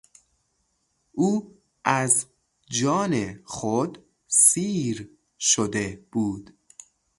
او از جان خود سیر شده بود.